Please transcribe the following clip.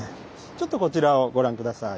ちょっとこちらをご覧下さい。